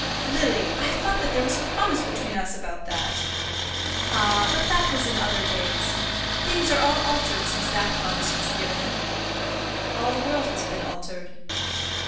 "Lily, I thought that there was a promise between us about that." "Ah! but that was in other days. Things are all altered since that promise was given, all the world has been altered."